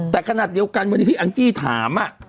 แต่ขนาดเดียวกันวันนี้ที่แองจี้ถาม